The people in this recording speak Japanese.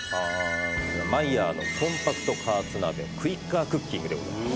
マイヤーのコンパクト加圧鍋クイッカークッキングでございます。